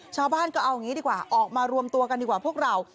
ชาวบ้านก็เอาอย่างนี้ดีกว่าออกมารวมตัวกันดีกว่าพวกเรา